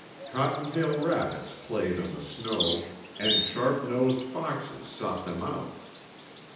Cottontail rabbits played on the snow and sharp nosed foxes sought them out.